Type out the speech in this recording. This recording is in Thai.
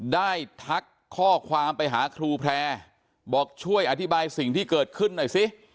ทักข้อความไปหาครูแพร่บอกช่วยอธิบายสิ่งที่เกิดขึ้นหน่อยสิ